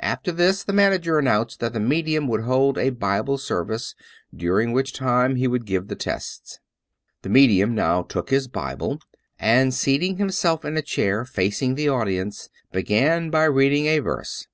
After this the manager announced that the medium would hold a Bible service, during which time be would give the tests. The medium now took his Bible, and seating himself in 264 Dauid F. Abbott a chair (acing the audience^ began by reading a verse.